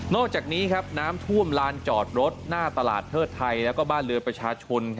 อกจากนี้น้ำท่วมลานจอดรถหน้าตลาดเทิดไทยและบ้านเรือประชาชน